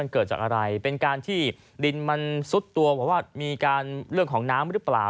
เกิดจากอะไรเป็นการที่ดินมันซุดตัวบอกว่ามีการเรื่องของน้ำหรือเปล่า